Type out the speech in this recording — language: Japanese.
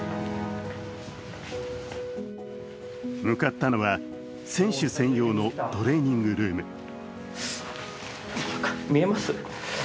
向かったのは、選手専用のトレーニングルーム。